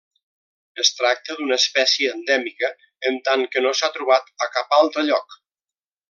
Es tracta d'una espècie endèmica, en tant que no s'ha trobat a cap altre lloc.